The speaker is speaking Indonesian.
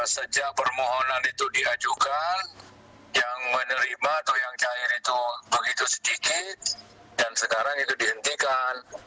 sejak permohonan itu diajukan yang menerima atau yang cair itu begitu sedikit dan sekarang itu dihentikan